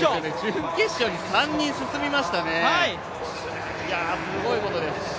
準決勝に３人進みましたね、すごいことです。